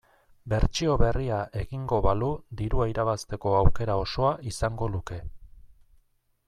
Bertsio berria egingo balu dirua irabazteko aukera osoa izango luke.